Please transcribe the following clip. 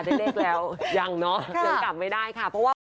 ได้เล็กแล้วยังเนอะยังกลับไม่ได้ค่ะ